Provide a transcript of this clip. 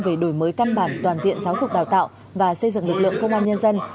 về đổi mới căn bản toàn diện giáo dục đào tạo và xây dựng lực lượng công an nhân dân